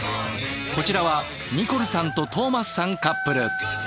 こちらはニコルさんとトーマスさんカップル。